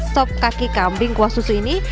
sop kaki kambing kuah susu ini